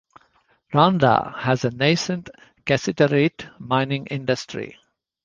Rwanda has a nascent cassiterite mining industry.